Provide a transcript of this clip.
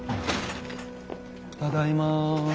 ただいま。